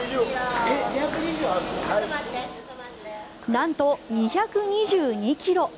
なんと、２２２ｋｇ。